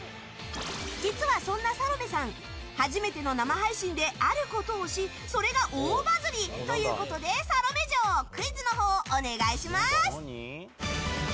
実は、そんなサロメさん初めての生配信で、あることをしそれが大バズり！ということでサロメ嬢クイズのほう、お願いします！